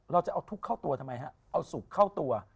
เราจะเอาทุกข์เข้าตัวทำไมฮะเอาสุกเข้าตัว